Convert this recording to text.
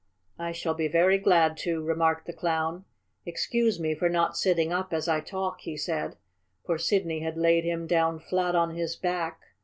"I shall be very glad to," remarked the Clown. "Excuse me for not sitting up as I talk," he said, for Sidney had laid him down flat on his back.